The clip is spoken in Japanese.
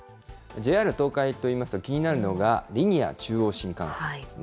ＪＲ東海といいますと、気になるのが、リニア中央新幹線ですね。